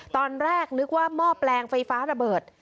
ตอนแรกนึกว่าหม้อแปลงไฟฟ้าระเบิด